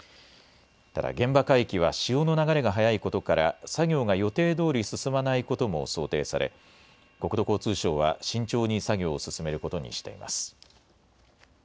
ただ、現場海域は潮の流れが速いことから、作業が予定どおり進まないことも想定され、国土交通省は慎重に作業を進めることにしています。